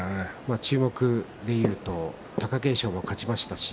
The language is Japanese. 注目でいうと貴景勝も勝ちましたし